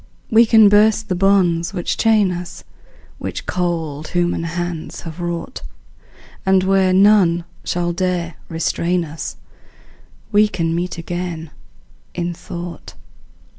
We can burst the bonds which chain us, Which cold human hands have wrought, And where none shall dare restrain us We can meet again, in thought.